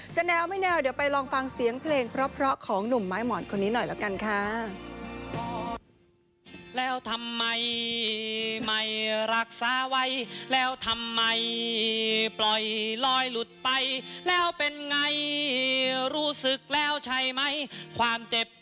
แนวไม่แนวเดี๋ยวไปลองฟังเสียงเพลงเพราะของหนุ่มไม้หมอนคนนี้หน่อยละกันค่ะ